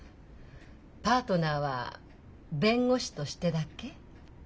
パートナーは弁護士としてだけ？